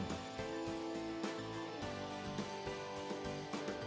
dan itu pengalaman yang sangat tidak bisa dilupakan